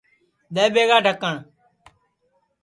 دؔے ٻیگا ڈھکٹؔ